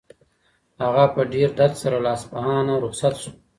هغه په ډېر درد سره له اصفهانه رخصت شو.